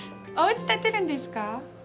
おうち建てるんですか？